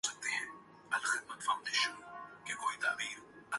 خواتین تیزی کے ساتھ معاشی عمل کا حصہ بن چکی ہیں۔